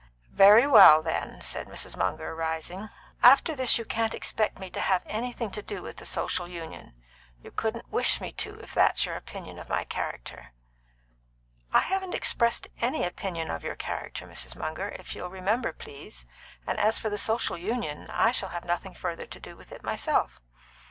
"Very well, then," said Mrs. Munger, rising. "After this you can't expect me to have anything to do with the Social Union; you couldn't wish me to, if that's your opinion of my character." "I haven't expressed any opinion of your character, Mrs. Munger, if you'll remember, please; and as for the Social Union, I shall have nothing further to do with it myself."